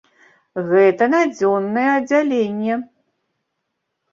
Гэта на дзённае аддзяленне.